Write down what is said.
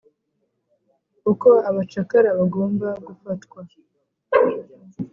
Uko abacakara bagomba gufatwa